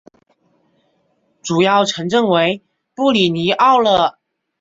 主要城镇为布里尼奥勒。